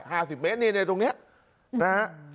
ห้าสิบเมตรนี่เนี่ยตรงเนี้ยนะฮะ